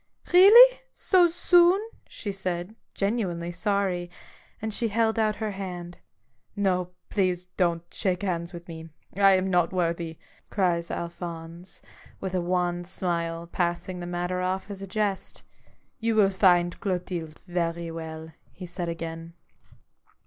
" Really ! so soon ?" she said, genuinely sorry. And she held out her hand. " No t please don't shake hands with me, I am not worthy !" cries Alphonse, with a ORIGINAL SIN. 125 wan smile, passing the matter off as a jest. " You will find Clotilde very well/' he said again.